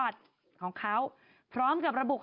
สวัสดีครับ